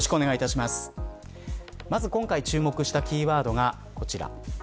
まず今回注目したキーワードがこちら。